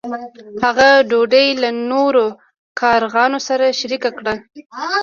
هغه ډوډۍ له نورو کارغانو سره شریکه کړه.